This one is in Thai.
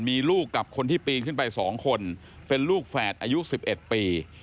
มีลูกกับคนที่ปีนขึ้นไป๒คนเป็นลูกแฝดอายุ๑๑ปี